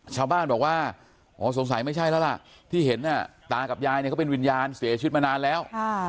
ชาวบ้านบอกว่าอ๋อสงสัยไม่ใช่แล้วล่ะที่เห็นตากับยายเนี่ยเขาเป็นวิญญาณเสียชีวิตมานานแล้ว